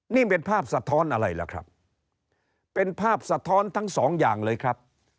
นี่เป็นภาพสะท้อนอะไรล่ะครับเป็นภาพสะท้อนทั้งสองอย่างเลยครับ